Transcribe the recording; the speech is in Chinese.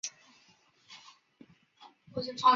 究竟在寻找什么